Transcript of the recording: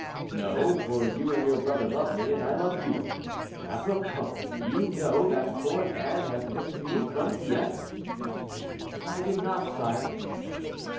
"No, for you and your brother love me, and I love you. Apropos, do you know that poor Anne has written to me from Dieppe?" "I did not, sire."